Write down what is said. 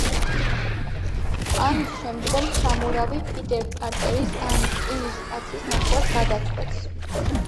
ამის შემდგომ სამურავი პიტერ პარკერის ან რკინის კაცის ნახვას გადაწყვეტს.